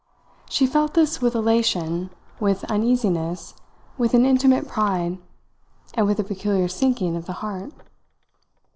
She felt this with elation, with uneasiness, with an intimate pride and with a peculiar sinking of the heart.